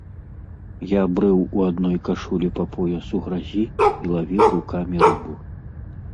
Я брыў у адной кашулі па пояс у гразі і лавіў рукамі рыбу.